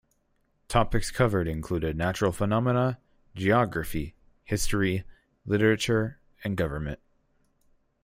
Topics covered included natural phenomena, geography, history, literature and government.